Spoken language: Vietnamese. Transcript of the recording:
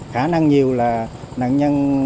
khả năng nhiều là nạn nhân